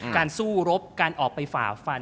การสู้รบการออกไปฝ่าฟัน